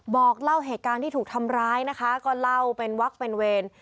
บอกเล่าเหตุการณ์ที่ถูกทำร้ายนะคะก็เล่าเป็นวักเป็นเวร